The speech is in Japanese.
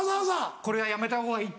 「これはやめたほうがいい」って。